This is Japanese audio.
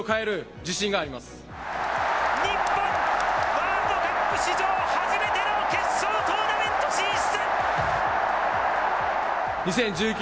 ワールドカップ史上初めての決勝トーナメント進出。